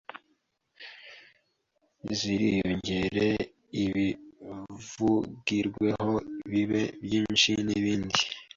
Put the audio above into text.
ziriyongere, ibizivugirweho bibe byinshi n’ibindi.